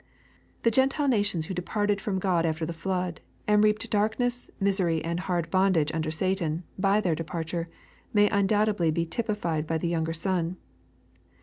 The Gentile nations who departed from Q od after the flood, and reaped darkness, misery, and hard bondage under Satan, by their departure, may undoubt edly be typified by the younger son.